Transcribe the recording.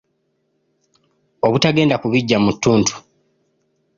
Obutagenda ku biggya mu ttuntu.